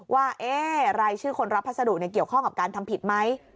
ว่ารายชื่อคนรับพัสดุเกี่ยวข้องกับการทำผิดไหม